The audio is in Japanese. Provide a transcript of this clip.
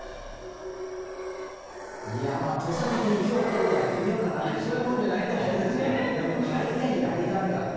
咄嗟的に今日ポロやってみようかなってそういうものじゃないと思うんですがでも大変やりがいがあって。